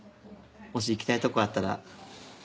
もし行きたいとこあったら。